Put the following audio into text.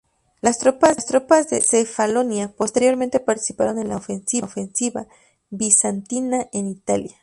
Las tropas de Cefalonia posteriormente participaron en la ofensiva bizantina en Italia.